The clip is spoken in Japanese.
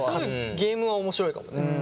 ゲームは面白いかもね。